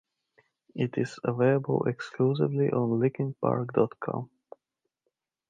It is available exclusively on Linkinpark dot com.